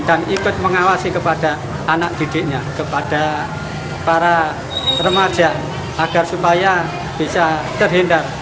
dan ikut mengawasi kepada anak didiknya kepada para remaja agar supaya bisa terhindar